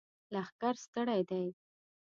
لښکر ستړی دی!